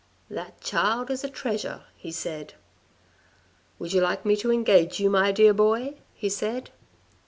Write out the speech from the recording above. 'That child is a treasure,' he said. "' Would you like me to engage you, my dear boy ?' he said.